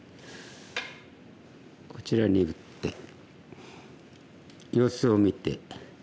こちらに打って様子を見て。